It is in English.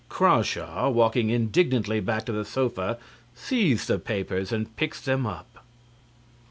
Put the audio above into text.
(CRAWSHAW, walking indignantly back to the sofa, sees the papers and picks them up.)